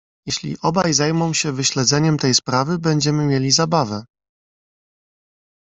"Jeśli obaj zajmą się wyśledzeniem tej sprawy będziemy mieli zabawę."